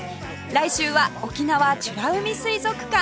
来週は沖縄美ら海水族館